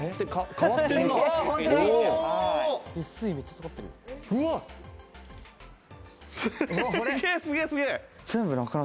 変わってるな。